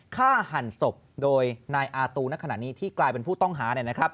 ฆ่าหันศพโดยนายอาตูณขณะนี้ที่กลายเป็นผู้ต้องหา